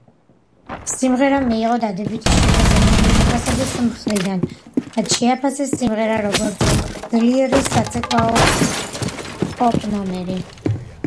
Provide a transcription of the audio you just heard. სიმღერამ მიიღო დადებითი შეფასება კრიტიკოსების მხრიდან, მათ შეაფასეს სიმღერა როგორც ძლიერი საცეკვაო პოპ ნომერი.